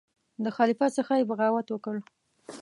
د خلیفه څخه یې بغاوت وکړ.